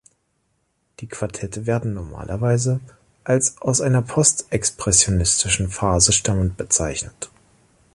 Die Quartette werden normalerweise als aus seiner „postexpressionistischen“ Phase stammend bezeichnet.